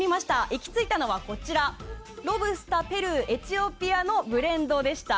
行きついたのはロブスタ、ペルー、エチオピアのブレンドでした。